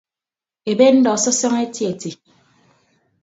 Ebe ndọ sọsọñọ eti eti.